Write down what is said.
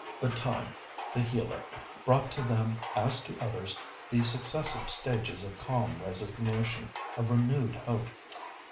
But Time, the healer, brought to them, as to others, the successive stages of calm resignation, of renewed hope.